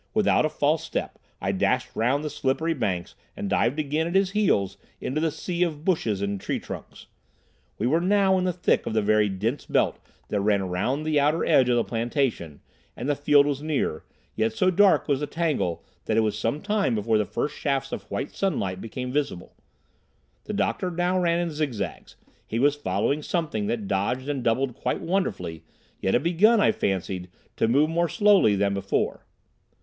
Without a false step I dashed round the slippery banks and dived again at his heels into the sea of bushes and tree trunks. We were now in the thick of the very dense belt that ran around the outer edge of the plantation, and the field was near; yet so dark was the tangle that it was some time before the first shafts of white sunlight became visible. The doctor now ran in zigzags. He was following something that dodged and doubled quite wonderfully, yet had begun, I fancied, to move more slowly than before.